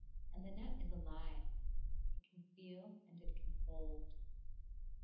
And the net is alive: it can feel and it can hold.